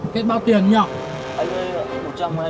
kết bao tiền không nhỉ